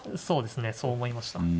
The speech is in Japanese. そうですねそう思いました。